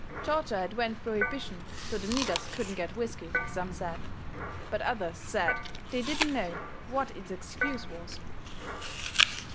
Georgia had went prohibition so the niggers couldn't get whiskey, some said; but others said they didn't know WHAT its excuse was.